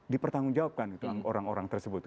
dipertanggungjawabkan orang orang tersebut